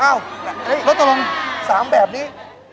อ้าวแล้วต้องลง๓แบบนี้